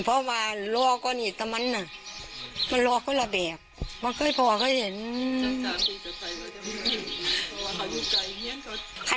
เพราะว่าได้เลยนะ